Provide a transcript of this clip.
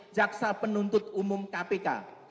jaksa penuntut umum kpk